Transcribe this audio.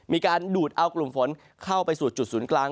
มีการดูดเอากลุ่มฝนเข้าไปสู่จุดศูนย์กลาง